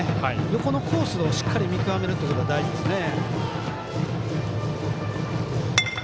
横のコースをしっかり見極めるということが大事ですよね。